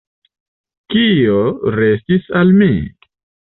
Kio restis al mi?